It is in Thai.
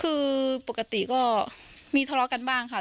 คือปกติก็มีทะเลาะกันบ้างค่ะ